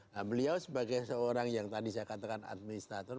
nah beliau sebagai seorang yang tadi saya katakan administrator